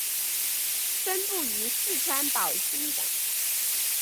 分布于四川宝兴等。